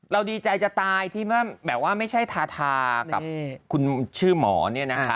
ดีใจจะตายที่แบบว่าไม่ใช่ทาทากับคุณชื่อหมอเนี่ยนะคะ